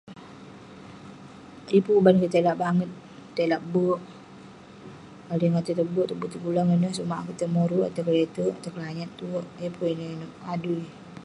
Yeng pun uban kik tai lak banget..tai lak berk..adui kik tai la berk tegulang ..ineh sumak akouk tai moruk, tai kle'terk..tai kelanyat tuwerk..yeng pun inouk inouk adui..